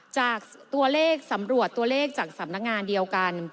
จากตัวเลขสำรวจตัวเลขจากสำนักงานเดียวกัน